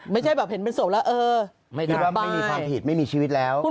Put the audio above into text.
แบบเห็นเป็นโศกแล้วเออไม่ได้ไม่มีความผิดไม่มีชีวิตแล้ว